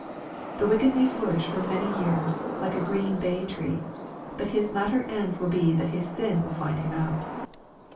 The wicked may flourish for many years " like a green bay tree," but his latter end will be that his sin will find him out.